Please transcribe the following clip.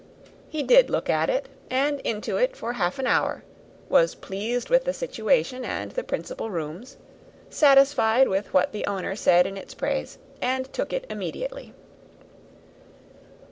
He did look at it, and into it, for half an hour; was pleased with the situation and the principal rooms, satisfied with what the owner said in its praise, and took it immediately.